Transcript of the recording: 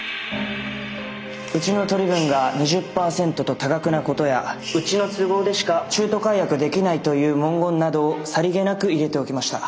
うちの取り分が２０％と多額なことやうちの都合でしか中途解約できないという文言などをさりげなく入れておきました。